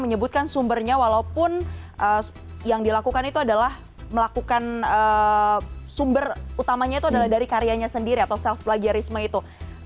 menyebutkan sumbernya walaupun yang dilakukan itu adalah melakukan sumber utamanya itu adalah dari karyanya sendiri atau self plagiarisme itu